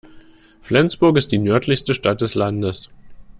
Flensburg ist die nördlichste Stadt des Landes.